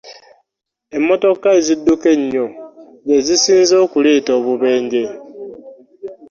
Emmotoka ezidduka ennyo ze zisinze okuleeta obubenje.